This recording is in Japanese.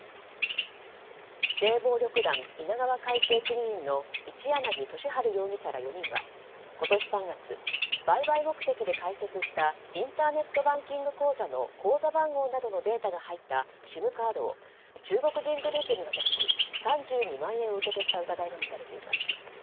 指定暴力団稲川会系組員の一柳敏春容疑者ら４人は今年３月、売買目的で開設したインターネットバンキング口座の口座番号などのデータが入ったＳＩＭカードを中国人グループに渡し３２万円を受け取った疑いが持たれています。